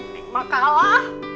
neng mah kalah